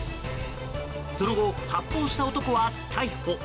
その後、発砲した男性は逮捕。